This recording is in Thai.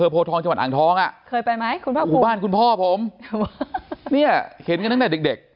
โพทองจังหวัดอ่างทองอ่ะเคยไปไหมคุณพ่อบ้านคุณพ่อผมเนี่ยเห็นกันตั้งแต่เด็กเด็ก